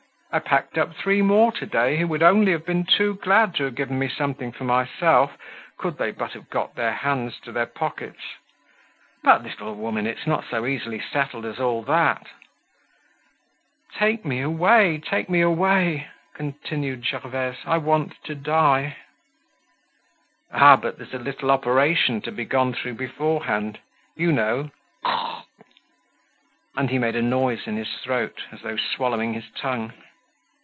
"I packed up three more to day who would only have been too glad to have given me something for myself, could they but have got their hands to their pockets. But, little woman, it's not so easily settled as all that—" "Take me away, take me away," continued Gervaise, "I want to die." "Ah! but there's a little operation to be gone through beforehand—you know, glug!" And he made a noise in his throat, as though swallowing his tongue.